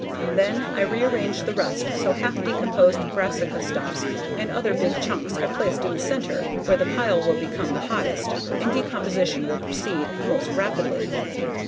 Then, I rearrange the rest so half decomposed brassica stumps and other big chunks are placed in the center where the pile will become the hottest and decomposition will proceed most rapidly.